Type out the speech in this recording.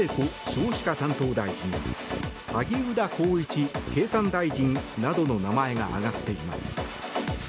少子化担当大臣萩生田光一経産大臣などの名前が挙がっています。